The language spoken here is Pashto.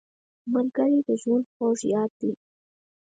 ملګری د ژوند خوږ یاد دی